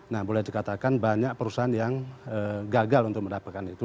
nah boleh dikatakan banyak perusahaan yang gagal untuk mendapatkan itu